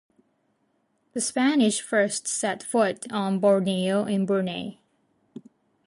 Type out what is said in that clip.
The Spanish first set foot on Borneo in Brunei.